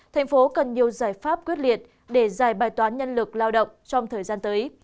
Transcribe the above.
thành phố cần nhiều giải pháp quyết liệt để giải bài toán nhân lực lao động trong thời gian tới